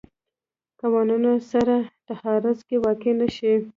قوانونو سره تعارض کې واقع نه شي.